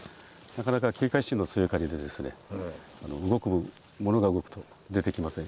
なかなか警戒心の強いカニでモノが動くと出てきません。